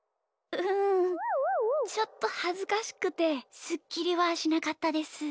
うんちょっとはずかしくてスッキリはしなかったです。